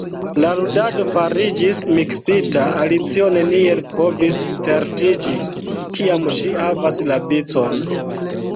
La ludado fariĝis miksita, Alicio neniel povis certiĝi kiam ŝi havas la vicon.